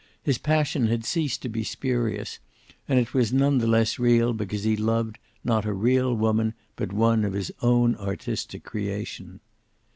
His passion had ceased to be spurious, and it was none the less real because he loved not a real woman, but one of his own artistic creation.